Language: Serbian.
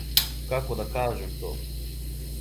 Како да кажем то?